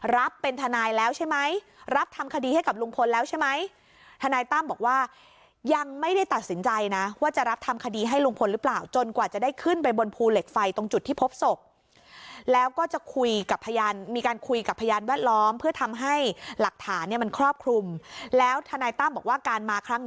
รับเป็นทนายแล้วใช่ไหมรับทำคดีให้กับลุงพลแล้วใช่ไหมทนายตั้มบอกว่ายังไม่ได้ตัดสินใจนะว่าจะรับทำคดีให้ลุงพลหรือเปล่าจนกว่าจะได้ขึ้นไปบนภูเหล็กไฟตรงจุดที่พบศพแล้วก็จะคุยกับพยานมีการคุยกับพยานแวดล้อมเพื่อทำให้หลักฐานเนี่ยมันครอบคลุมแล้วทนายตั้มบอกว่าการมาครั้ง